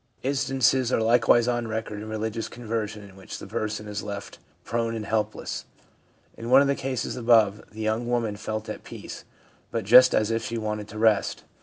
Instances i 4 o THE PSYCHOLOGY OF RELIGION are likewise on record in religious conversion in which the person is left prone and helpless. In one of the cases above, the young woman felt at peace, but just as if she wanted to rest.